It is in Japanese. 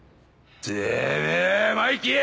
てめえマイキー！